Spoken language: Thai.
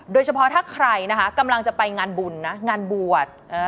โดยเฉพาะถ้าใครนะคะกำลังจะไปงานบุญนะงานบวช